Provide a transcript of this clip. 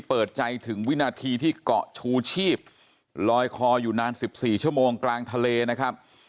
เปิดใจถึงวินาทีที่เกาะชูชีพลอยคออยู่นาน๑๔ชั่วโมงกลางทะเลนะครับ